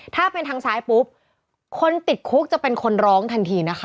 ถ้าเป็นทางซ้ายปุ๊บคนติดคุกจะเป็นคนร้องทันทีนะคะ